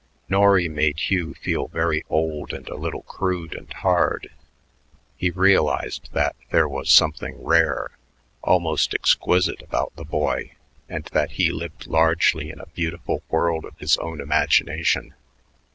Norry made Hugh feel very old and a little crude and hard. He realized that there was something rare, almost exquisite, about the boy, and that he lived largely in a beautiful world of his own imagination.